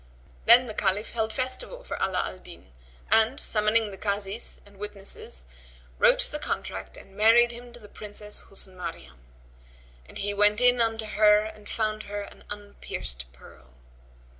Then the Caliph held festival for Ala al Din and, summoning the Kazis and witnesses, wrote the contract and married him to the Princess Husn Maryam; and he went in unto her and found her an unpierced pearl.